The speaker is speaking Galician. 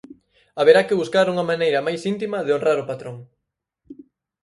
Haberá que buscar unha maneira máis íntima de honrar o patrón.